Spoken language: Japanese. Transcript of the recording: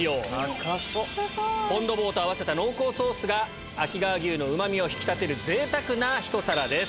フォン・ド・ボーと合わせた濃厚ソースが秋川牛のうま味を引き立てる贅沢なひと皿です。